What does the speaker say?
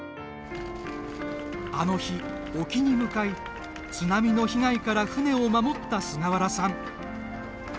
あの日、沖に向かい津波の被害から船を守った菅原さん。